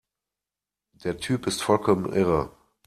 Der Typ ist vollkommen irre!